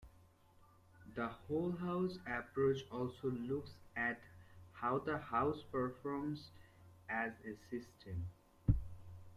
The "Whole-House" approach also looks at how the house performs as a system.